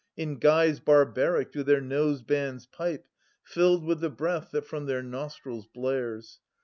In guise barbaric do their nose bands pipe Filled with the breath that from their nostrils blares.